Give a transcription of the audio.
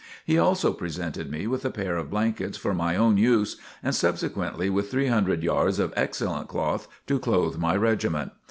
He also presented me with a pair of blankets for my own use, and subsequently with three hundred yards of excellent cloth to clothe my regiment.